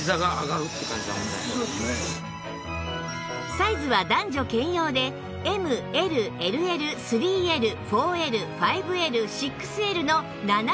サイズは男女兼用で ＭＬＬＬ３Ｌ４Ｌ５Ｌ６Ｌ の７種類